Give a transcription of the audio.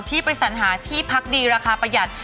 ที่ไปสัญหาที่พักดีราคาประหยัด